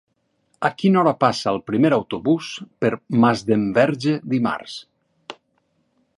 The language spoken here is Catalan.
A quina hora passa el primer autobús per Masdenverge dimarts?